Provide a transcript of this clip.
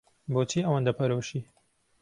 بۆچی ئەوەندە پەرۆشی؟